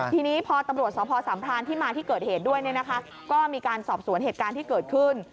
ทีนี้พอตำรวจสพสามพรานที่มาที่เกิดเหตุด้วยเนี่ยนะคะก็มีการสอบสวนเหตุการณ์ที่เกิดขึ้น